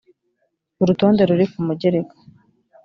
urutonde ruri ku mugereka